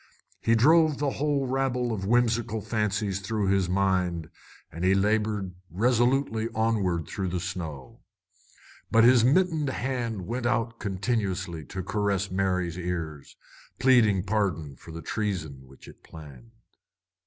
He drove a whole rabble of whimsical fancies through his mind, as he labored resolutely onward through the snow. But his mittened hand went out continuously to caress Mary's ears, pleading pardon for the treason which it planned.